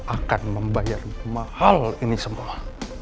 akan membayar mahal ini semua